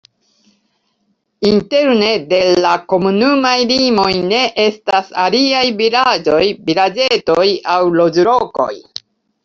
Interne de la komunumaj limoj ne estas aliaj vilaĝoj, vilaĝetoj aŭ loĝlokoj.